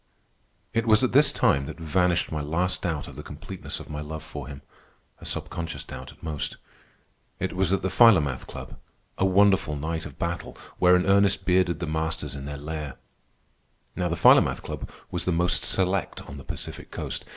It was at this time that vanished my last doubt of the completeness of my love for him (a subconscious doubt, at most). It was at the Philomath Club—a wonderful night of battle, wherein Ernest bearded the masters in their lair. Now the Philomath Club was the most select on the Pacific Coast.